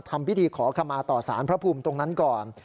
ทำพิธีขอขมาต่อสารพระภูมิตรงนั้นก่อน